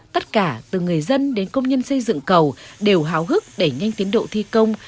tất cả từ người dân đến công nhân xây dựng cầu đều háo hức đẩy nhanh tiến độ thi công